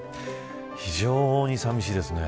非常に寂しいですね。